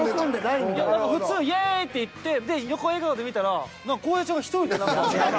普通「イェイ」って言って横笑顔で見たら洸平ちゃんが１人で何か。